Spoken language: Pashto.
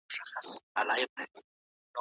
په ساینس کي استاد او شاګرد په ګډه کار کوي.